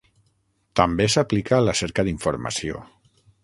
També s'aplica a la cerca d'informació.